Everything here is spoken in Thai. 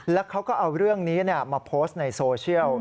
แล้วเขาก็เอาเรื่องนี้มาโพสต์ในโซเชียล